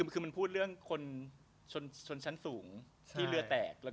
คือมันพูดเรื่องคนชนชั้นสูงที่เรือแตก